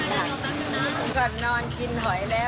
ของทะเลของเราจะมาจากมหาชัยทุกวันนะคะ